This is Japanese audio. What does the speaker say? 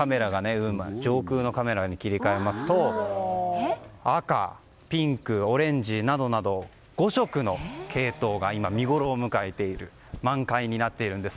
上空のカメラに切り替えますと赤、ピンク、オレンジなどなど５色のケイトウが今、見ごろを迎えている満開になっているんです。